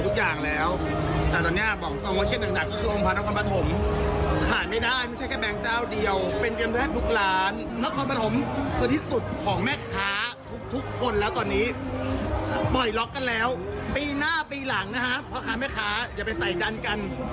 กันแล้วปีหน้าปีหลังนะฮะเพราะขาไม่ขาอย่าไปใส่ดันกัน